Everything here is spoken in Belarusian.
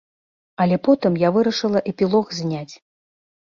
Але потым я вырашыла эпілог зняць.